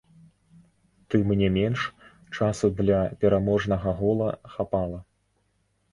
Тым не менш, часу для пераможнага гола хапала.